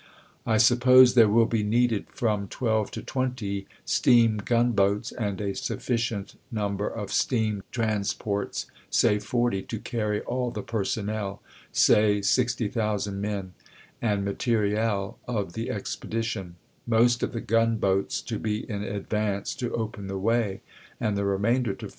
I sup pose there will be needed from twelve to twenty steam gun boats, and a sufficient number of steam transports (say forty) to carry all the 2)ersonnel (say 60,000 men) and materiel of the expedition ; most of the gun boats to be in advance to open the way, and the remainder to follow 149.